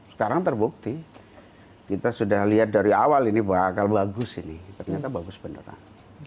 sekarang terbukti kita sudah lihat dari awal ini bakal bagus ini ternyata bagus beneran